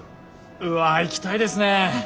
うわ行きたいですねえ！